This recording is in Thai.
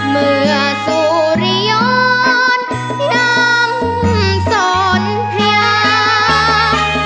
เมื่อสุริยนต์ยังสนเพียง